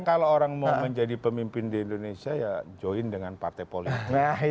kalau orang mau menjadi pemimpin di indonesia ya join dengan partai politik